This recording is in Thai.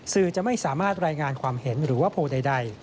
สื่อจะไม่สามารถรายงานความเห็นหรือว่าโพลใด